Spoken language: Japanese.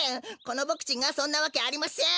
このボクちんがそんなわけありません！